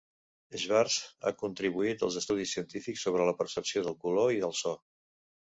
Schwartz ha contribuït als estudis científics sobre la percepció del color i el so.